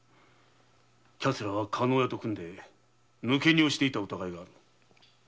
彼らは加納屋と組んで抜け荷をしていた疑いがある。